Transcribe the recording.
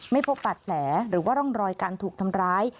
ไม่พบบาดแผลหรือว่าร่องรอยการถูกทำร้าย